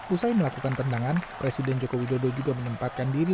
usai melakukan tendangan presiden joko widodo juga menyempatkan diri